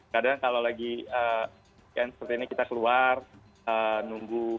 kadang kalau lagi seperti ini kita keluar nunggu